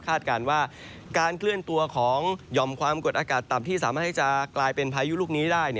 การว่าการเคลื่อนตัวของหย่อมความกดอากาศต่ำที่สามารถให้จะกลายเป็นพายุลูกนี้ได้